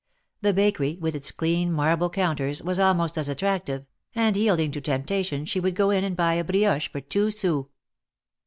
The Bakery, with its clean marble counters, was almost as attractive, and yielding to temptation she would go in and buy a brioche for two sous.